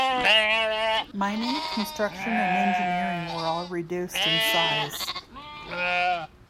Mining, construction and engineering were all reduced in size.